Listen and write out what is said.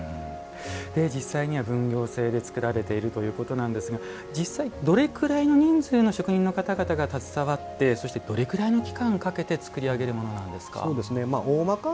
実際には分業制で作られているということですが実際、どれぐらいの人数の職人の方々が携わってそして、どれくらいの期間をかけて作り上げるものなんですか。